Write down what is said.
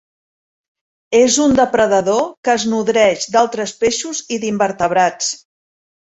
És un depredador que es nodreix d'altres peixos i d'invertebrats.